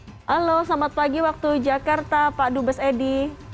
halo selamat pagi waktu jakarta pak dubes edy